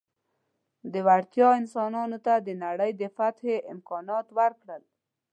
دې وړتیا انسانانو ته د نړۍ د فتحې امکان ورکړ.